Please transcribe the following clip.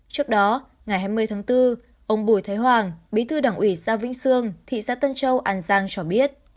trước đó ngày hai mươi tháng bốn ông bùi thái hoàng bí thư đảng ủy xã vĩnh sương thị xã tân châu an giang cho biết